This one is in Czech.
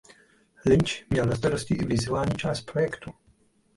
Lynch měl na starosti i vizuální část projektu.